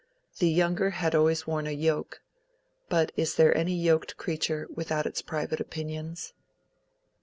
The younger had always worn a yoke; but is there any yoked creature without its private opinions?